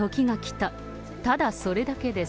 ただそれだけです。